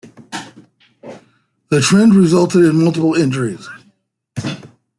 The trend resulted in multiple injuries.